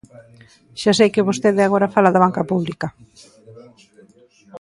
Xa sei que vostede agora fala da banca pública.